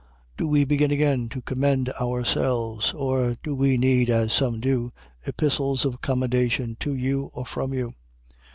3:1. Do we begin again to commend ourselves? Or do we need (as some do) epistles of commendation to you, or from you?